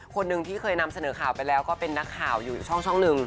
คนหนึ่งที่เคยนำเสนอข่าวไปแล้วก็เป็นนักข่าวอยู่ช่องหนึ่ง